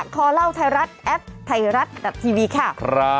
คอเล่าไทยรัฐแอปไทยรัฐดัดทีวีค่ะ